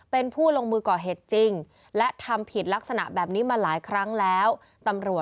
เป็นผู้ลงมือก่อเหตุจริงและทำผิดลักษณะแบบนี้มาหลายครั้งแล้วตำรวจ